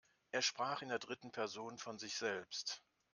Er sprach in der dritten Person von sich selbst.